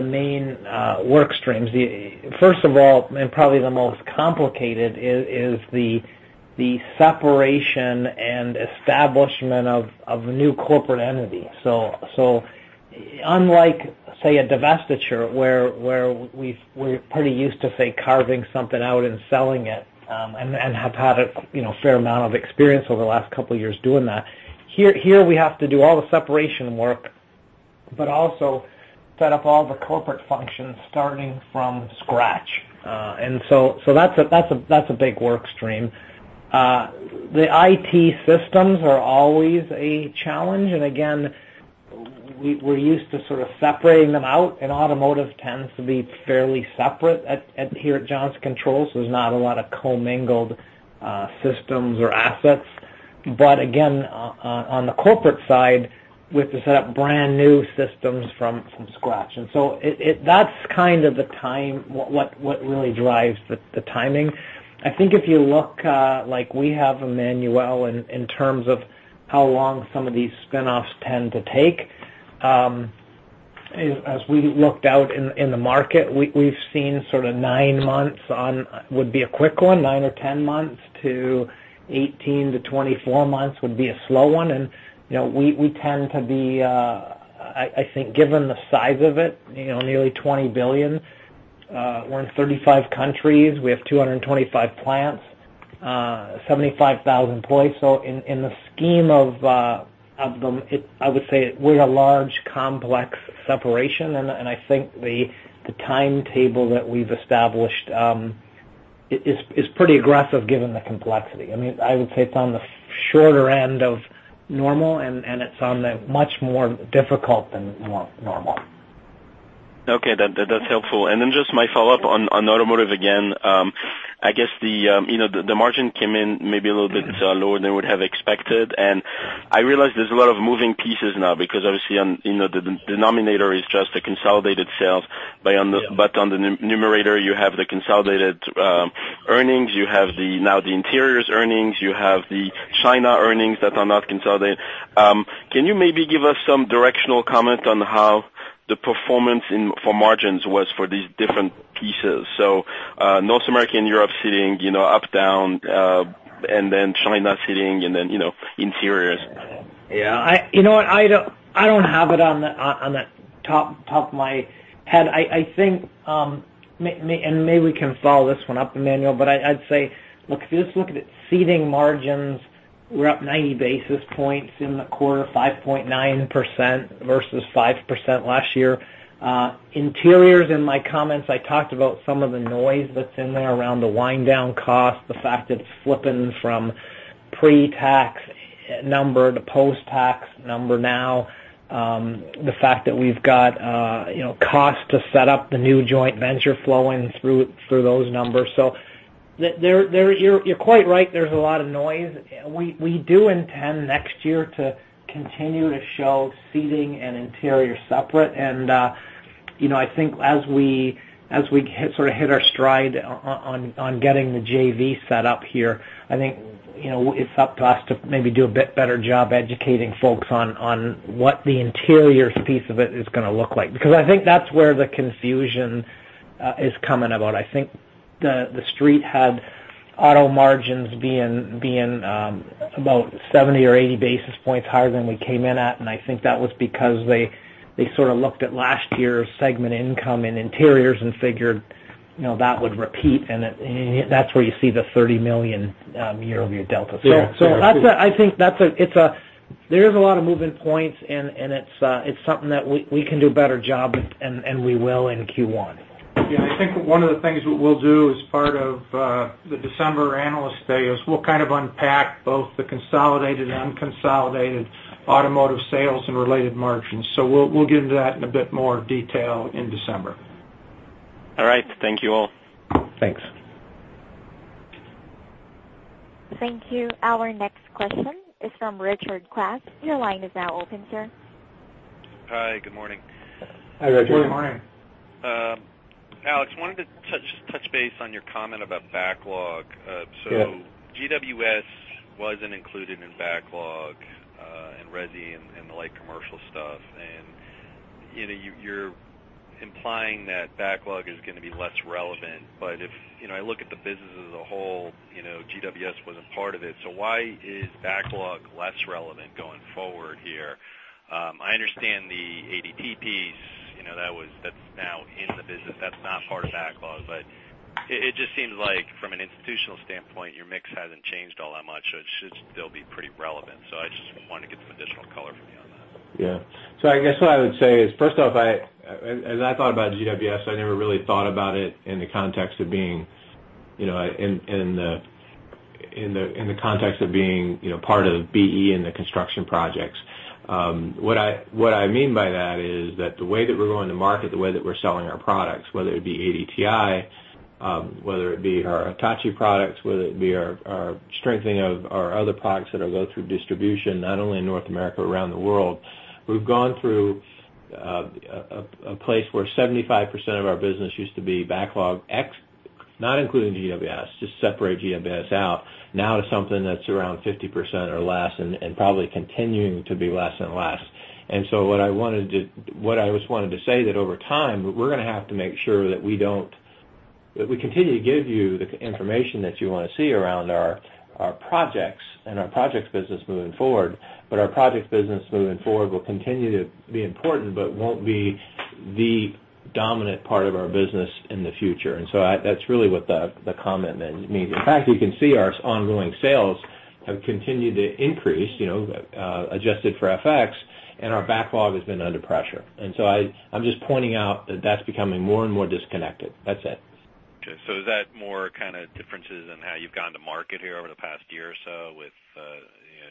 main work streams. First of all, and probably the most complicated, is the separation and establishment of a new corporate entity. Unlike, say, a divestiture, where we're pretty used to, say, carving something out and selling it, and have had a fair amount of experience over the last couple of years doing that, here we have to do all the separation work, but also set up all the corporate functions starting from scratch. That's a big work stream. The IT systems are always a challenge, and again, we're used to sort of separating them out, and automotive tends to be fairly separate here at Johnson Controls. There's not a lot of commingled systems or assets. Again, on the corporate side, we have to set up brand-new systems from scratch. That's what really drives the timing. I think if you look, like we have, Emmanuel, in terms of how long some of these spinoffs tend to take, as we looked out in the market, we've seen sort of nine months would be a quick one, nine or 10 months to 18-24 months would be a slow one. We tend to be, I think given the size of it, nearly $20 billion. We're in 35 countries. We have 225 plants, 75,000 employees. In the scheme of them, I would say we're a large, complex separation, and I think the timetable that we've established is pretty aggressive given the complexity. I would say it's on the shorter end of normal, and it's on the much more difficult end than normal. Okay. That's helpful. Just my follow-up on automotive again. I guess the margin came in maybe a little bit lower than we would have expected. I realize there's a lot of moving pieces now because obviously on the denominator is just the consolidated sales. Yeah. On the numerator, you have the consolidated earnings, you have now the interiors earnings, you have the China earnings that are not consolidated. Can you maybe give us some directional comment on how the performance for margins was for these different pieces. North American, Europe seating, up, down, and then China seating, and then interiors. Yeah. You know what? I don't have it on the top of my head. Maybe we can follow this one up, Emmanuel, but I'd say, if you just look at seating margins, we're up 90 basis points in the quarter, 5.9% versus 5% last year. Interiors, in my comments, I talked about some of the noise that's in there around the wind-down cost, the fact it's flipping from pre-tax number to post-tax number now. The fact that we've got cost to set up the new joint venture flowing through those numbers. You're quite right, there's a lot of noise. We do intend next year to continue to show seating and interior separate. I think as we sort of hit our stride on getting the JV set up here, I think it's up to us to maybe do a bit better job educating folks on what the interiors piece of it is going to look like. Because I think that's where the confusion is coming about. I think the Street had auto margins being about 70 or 80 basis points higher than we came in at, and I think that was because they sort of looked at last year's segment income and interiors and figured that would repeat, and that's where you see the $30 million year-over-year delta. Yeah. I think there's a lot of moving points and it's something that we can do a better job, and we will in Q1. I think one of the things we'll do as part of the December analyst day is we'll kind of unpack both the consolidated and unconsolidated automotive sales and related margins. We'll get into that in a bit more detail in December. All right. Thank you all. Thanks. Thank you. Our next question is from Richard Klatten. Your line is now open, sir. Hi, good morning. Hi, Richard. Good morning. Alex, wanted to just touch base on your comment about backlog. Yeah. GWS wasn't included in backlog, and resi and the light commercial stuff, you're implying that backlog is going to be less relevant. If I look at the business as a whole, GWS was a part of it. Why is backlog less relevant going forward here? I understand the ADPPs, that's now in the business. That's not part of backlog. It just seems like from an institutional standpoint, your mix hasn't changed all that much, it should still be pretty relevant. I just wanted to get some additional color from you on that. Yeah. I guess what I would say is, first off, as I thought about GWS, I never really thought about it in the context of being part of BE in the construction projects. What I mean by that is that the way that we're going to market, the way that we're selling our products, whether it be ADTi, whether it be our Hitachi products, whether it be our strengthening of our other products that go through distribution, not only in North America, around the world. We've gone through a place where 75% of our business used to be backlog, not including GWS, just separate GWS out, now to something that's around 50% or less and probably continuing to be less and less. What I just wanted to say that over time, we're going to have to make sure that we continue to give you the information that you want to see around our projects and our projects business moving forward. Our projects business moving forward will continue to be important, but won't be the dominant part of our business in the future. That's really what the comment then means. In fact, you can see our ongoing sales have continued to increase, adjusted for FX, our backlog has been under pressure. I'm just pointing out that that's becoming more and more disconnected. That's it. Okay. Is that more kind of differences in how you've gone to market here over the past year or so with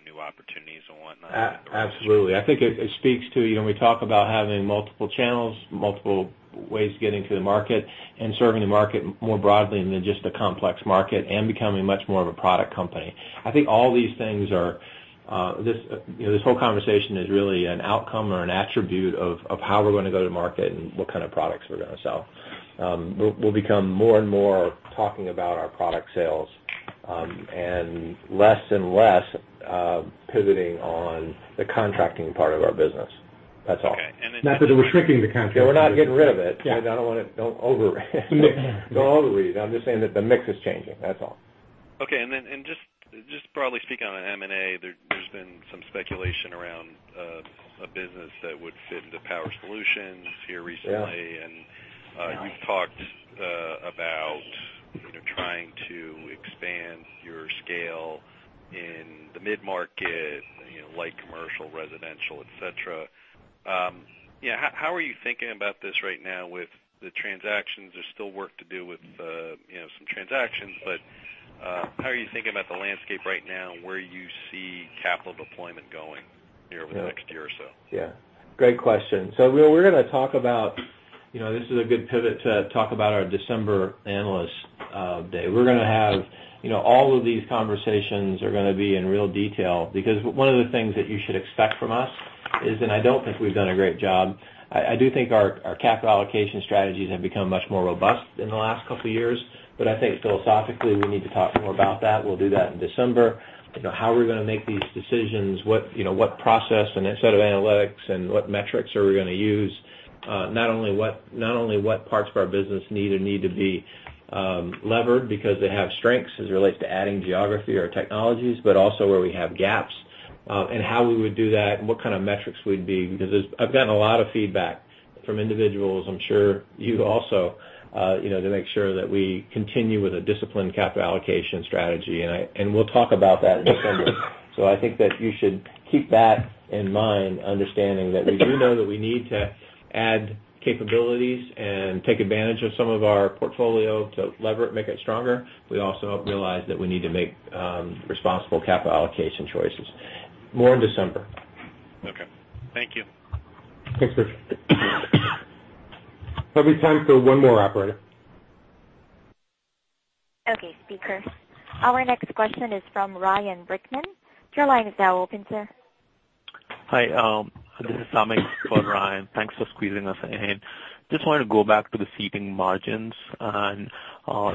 new opportunities and whatnot? Absolutely. I think it speaks to when we talk about having multiple channels, multiple ways of getting to the market, and serving the market more broadly than just a complex market, and becoming much more of a product company. I think all these things, this whole conversation is really an outcome or an attribute of how we're going to go to market and what kind of products we're going to sell. We'll become more and more talking about our product sales, and less and less pivoting on the contracting part of our business. That's all. Okay. Not that we're shrinking the contracting. Yeah, we're not getting rid of it. Yeah. Don't overread. I'm just saying that the mix is changing, that's all. Okay. Just broadly speaking on M&A, there's been some speculation around a business that would fit into Power Solutions here recently. Yeah. You've talked about trying to expand your scale in the mid-market, light commercial, residential, et cetera. How are you thinking about this right now with the transactions? There's still work to do with some transactions, how are you thinking about the landscape right now and where you see capital deployment going here over the next year or so? Yeah. Great question. This is a good pivot to talk about our December analyst day. We're going to have all of these conversations are going to be in real detail, because one of the things that you should expect from us is, and I don't think we've done a great job. I do think our capital allocation strategies have become much more robust in the last couple of years. I think philosophically, we need to talk more about that. We'll do that in December. How we're going to make these decisions, what process and set of analytics and what metrics are we going to use? Not only what parts of our business need to be levered because they have strengths as it relates to adding geography or technologies, but also where we have gaps and how we would do that and what kind of metrics we'd be. I've gotten a lot of feedback from individuals, I'm sure you also, to make sure that we continue with a disciplined capital allocation strategy. We'll talk about that in December. I think that you should keep that in mind, understanding that we do know that we need to add capabilities and take advantage of some of our portfolio to lever it, make it stronger. We also realize that we need to make responsible capital allocation choices. More in December. Okay. Thank you. Thanks, Richard. There'll be time for one more, operator. Okay, speaker. Our next question is from Ryan Brinkman. Your line is now open, sir. Hi, this is Amik for Ryan. Thanks for squeezing us in. Just wanted to go back to the seating margins.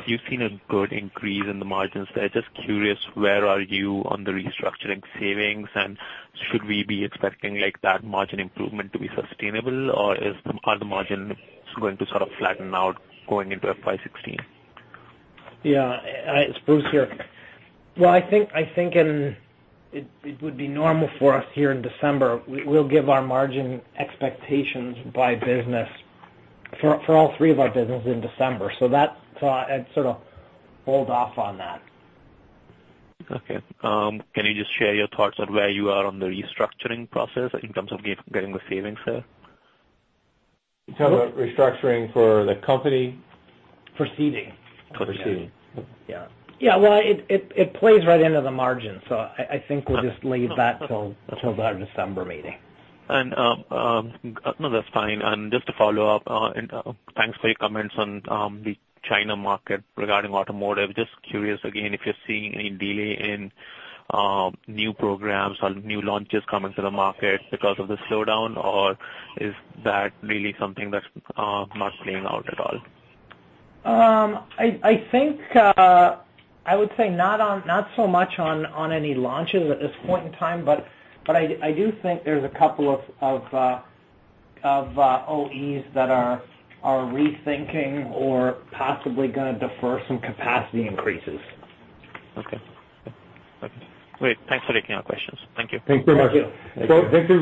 You've seen a good increase in the margins there. Just curious, where are you on the restructuring savings? Should we be expecting that margin improvement to be sustainable, or are the margins going to sort of flatten out going into FY 2016? It's Bruce here. I think it would be normal for us here in December. We'll give our margin expectations by business for all three of our businesses in December. I'd sort of hold off on that. Okay. Can you just share your thoughts on where you are on the restructuring process in terms of getting the savings there? You're talking about restructuring for the company? For seating. For seating. Yeah. Well, it plays right into the margin. I think we'll just leave that till our December meeting. No, that's fine. Just to follow up, thanks for your comments on the China market regarding automotive. Curious again if you're seeing any delay in new programs or new launches coming to the market because of the slowdown, or is that really something that's not playing out at all? I would say not so much on any launches at this point in time, but I do think there is a couple of OEs that are rethinking or possibly going to defer some capacity increases. Okay. Great. Thanks for taking our questions. Thank you. Thanks very much. Thank you. I think we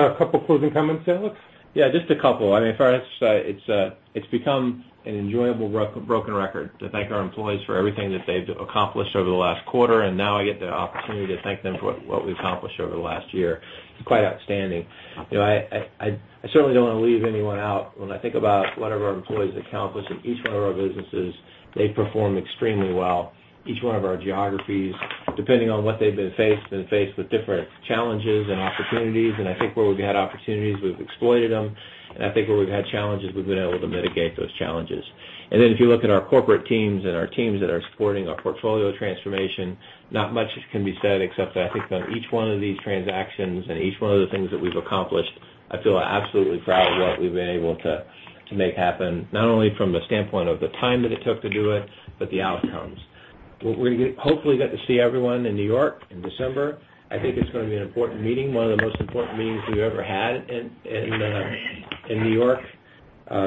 have a couple of closing comments, Alex? Yeah, just a couple. I mean, as far as it's become an enjoyable broken record to thank our employees for everything that they've accomplished over the last quarter, and now I get the opportunity to thank them for what we've accomplished over the last year. It's quite outstanding. I certainly don't want to leave anyone out. When I think about what our employees accomplished in each one of our businesses, they perform extremely well. Each one of our geographies, depending on what they've been faced, have been faced with different challenges and opportunities, and I think where we've had opportunities, we've exploited them, and I think where we've had challenges, we've been able to mitigate those challenges. If you look at our corporate teams and our teams that are supporting our portfolio transformation, not much can be said except that I think on each one of these transactions and each one of the things that we've accomplished, I feel absolutely proud of what we've been able to make happen, not only from the standpoint of the time that it took to do it, but the outcomes. We'll hopefully get to see everyone in New York in December. I think it's going to be an important meeting, one of the most important meetings we've ever had in New York,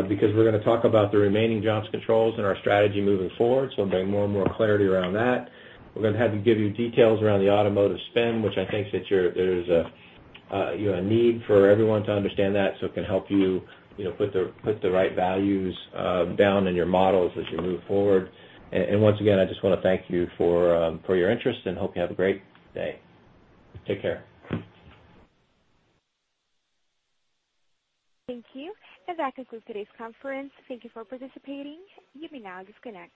because we're going to talk about the remaining Johnson Controls and our strategy moving forward, bring more and more clarity around that. We're going to have to give you details around the automotive spin, which I think that there's a need for everyone to understand that, it can help you put the right values down in your models as you move forward. Once again, I just want to thank you for your interest, and hope you have a great day. Take care. Thank you. That concludes today's conference. Thank you for participating. You may now disconnect.